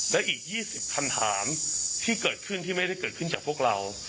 และอีก๒๐คำถามที่เกิดขึ้นที่ไม่ได้เกิดขึ้นจากพวกเรา